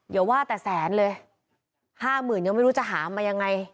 อย่าว่าแต่แสนเลยห้าหมื่นยังไม่รู้จะหามายังไง